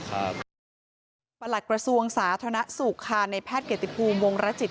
หลักกระทรวงสาธารณสุขค่ะในแพทย์เกียรติภูมิวงรจิต